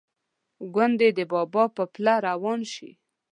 ګوندې د بابا پر پله روان شي.